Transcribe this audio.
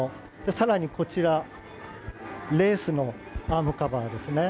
更に、こちらレースのアームカバーですね。